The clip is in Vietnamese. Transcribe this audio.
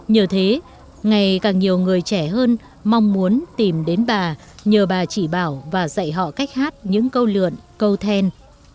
nhờ thế ngày càng nhiều người trẻ hơn mong muốn tìm đến bà nhờ bà chỉ bảo và dạy họ cách hát những câu lượn câu then